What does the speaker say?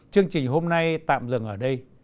chương trình hôm nay tạm dừng ở đây